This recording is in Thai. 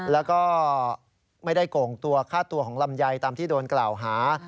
แล้วก็ไม่ได้โก่งตัวฆ่าตัวของลำไยตามที่โดนกล่าวหา